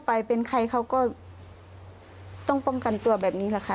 แล้วเขาก็ต้องป้องกันตัวแบบนี้แหละค่ะ